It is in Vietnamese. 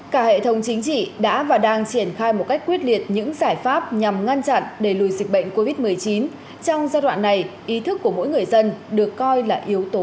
cả hệ thống chính trị đã và đang triển khai một cách quyết liệt những giải pháp nhằm ngăn chặn đẩy lùi dịch bệnh covid một mươi chín trong giai đoạn này ý thức của mỗi người dân được coi là yếu tố